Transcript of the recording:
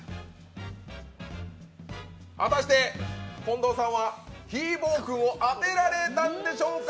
果たして近藤さんはひーぼぉくんを当てられたんでしょうか？